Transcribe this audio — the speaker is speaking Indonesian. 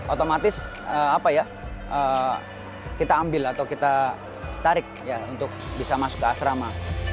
otomatis kita ambil atau kita tarik untuk bisa masuk ke asrama